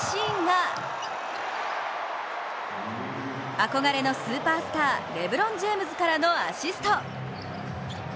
憧れのスーパースター、レブロン・ジェームズからのアシスト。